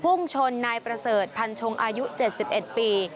พุ่งชนนายประเสริฐพันชงอายุ๗๑ปี